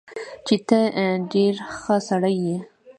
چې تۀ ډېر ښۀ سړے ئې